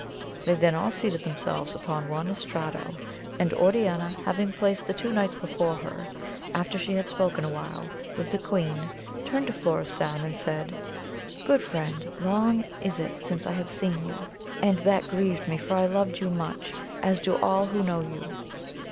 They then all seated themselves upon one estrado, and Oriana having placed the two knights before her, after she had spoken awhile with the queen turned to Florestan and said, good friend, long is it since I have seen you, and that grieved me for I loved you much, as do all who know you.